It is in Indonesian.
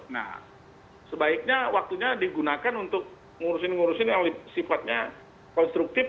nah sebaiknya waktunya digunakan untuk ngurusin ngurusin yang sifatnya konstruktif